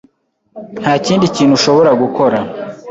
Nta kindi kintu ushobora gukora.